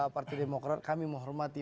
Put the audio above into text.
partai demokrat kami menghormati